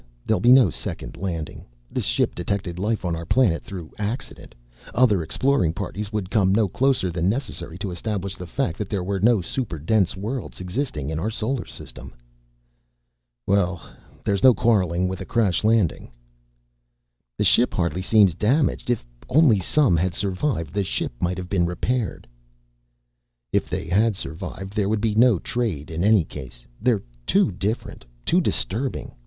There'll be no second landing. This ship detected life on our planet through accident. Other exploring parties would come no closer than necessary to establish the fact that there were no super dense worlds existing in our solar system." "Well, there's no quarreling with a crash landing." "The ship hardly seems damaged. If only some had survived, the ship might have been repaired." "If they had survived, there would be no trade in any case. They're too different. Too disturbing.